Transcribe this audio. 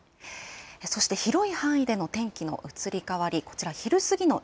広い範囲での天気の移り変わりです。